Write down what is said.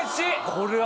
これは。